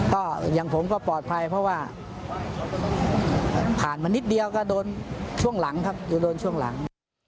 ก็อย่างผมก็ปลอดภัยเพราะว่าผ่านมานิดเดียวก็โดนช่วงหลังครับจะโดนช่วงหลัง